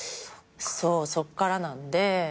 そっからなんで。